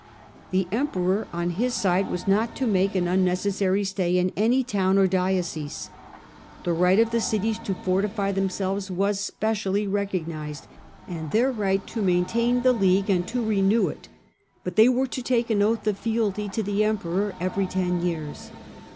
The Emperor, on his side, was not to make an unnecessary stay in any town or diocese. The right of the cities to fortify them selves was specially recognized and their right to main tain the League and to renew it, but they were to take an oath of fealty to the Emperor every ten years.